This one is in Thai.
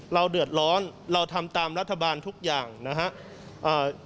เราเดือดร้อนเราทำตามรัฐบาลทุกอย่างนะครับ